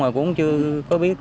mà cũng chưa có biết